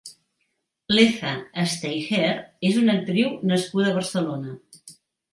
Lza Steyaert és una actriu nascuda a Barcelona.